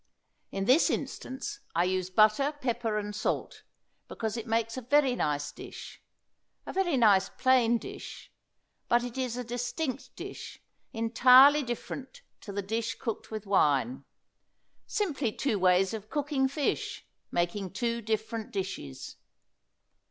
In this instance I use butter, pepper and salt because it makes a very nice dish, a very nice plain dish, but it is a distinct dish, entirely different to the dish cooked with wine; simply two ways of cooking fish, making two different dishes.